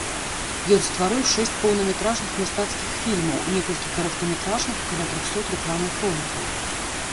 Ён стварыў шэсць поўнаметражных мастацкіх фільмаў, некалькі кароткаметражных і каля трохсот рэкламных ролікаў.